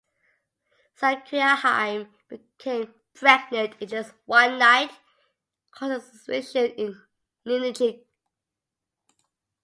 Sakuya-hime became pregnant in just one night, causing suspicion in Ninigi.